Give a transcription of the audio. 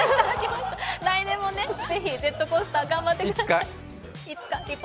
来年もぜひ、ジェットコースター頑張ってください。